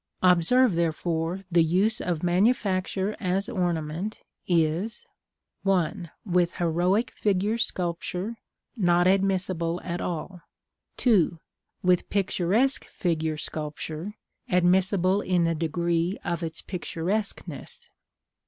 Observe, therefore, the use of manufacture as ornament is 1. With heroic figure sculpture, not admissible at all. 2. With picturesque figure sculpture, admissible in the degree of its picturesqueness.